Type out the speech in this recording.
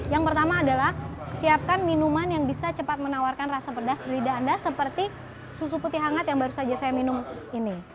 yang pertama adalah siapkan minuman yang bisa cepat menawarkan rasa pedas di lidah anda seperti susu putih hangat yang baru saja saya minum ini